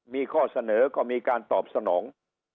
มีข้อเสนอก็มีการตอบสนอง